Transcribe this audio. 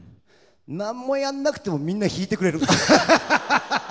何もやらなくてもみんな弾いてくれる！